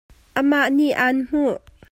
Amah nih aan hmuh.